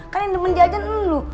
kan ini demen dia aja emm lu